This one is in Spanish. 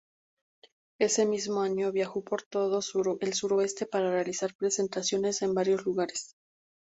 Ese mismo año, viajó por todo el suroeste para realizar presentaciones en varios lugares.